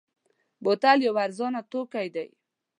بوتل یو ارزانه توکی دی.